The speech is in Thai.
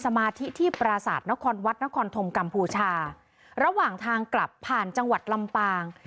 สมาธิที่ปราศาสตร์นครวัดนครธมกัมพูชาระหว่างทางกลับผ่านจังหวัดลำปาง